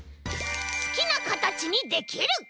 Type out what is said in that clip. すきなかたちにできる！